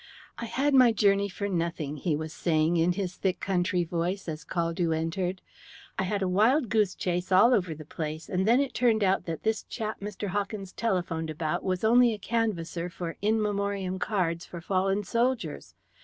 "I had my journey for nothing," he was saying in his thick country voice, as Caldew entered. "I had a wild goose chase all over the place, and then it turned out that this chap Mr. Hawkins telephoned about was only a canvasser for In Memoriam cards for fallen soldiers.